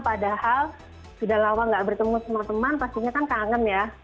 padahal sudah lama tidak bertemu dengan teman teman pastinya kan kangen ya